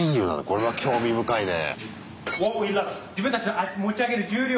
これは興味深いね。